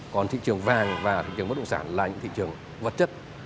còn thị trường vàng và thị trường bất động sản là những thị trường vật chất